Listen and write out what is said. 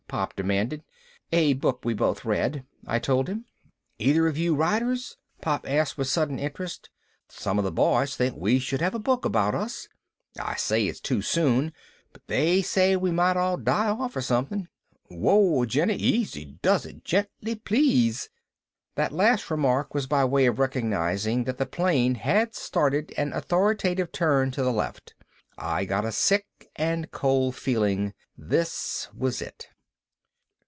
Pop demanded. "A book we both read," I told him. "Either of you writers?" Pop asked with sudden interest. "Some of the boys think we should have a book about us. I say it's too soon, but they say we might all die off or something. Whoa, Jenny! Easy does it. Gently, please!" That last remark was by way of recognizing that the plane had started an authoritative turn to the left. I got a sick and cold feeling. This was it.